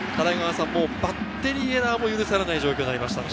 バッテリーエラーも許されない状況ですね。